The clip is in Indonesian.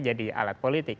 jadi alat politik